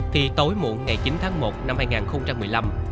thì tối muộn ngày chín tháng một năm hai nghìn một mươi năm